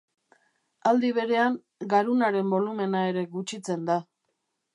Aldi berean, garunaren bolumena ere gutxitzen da.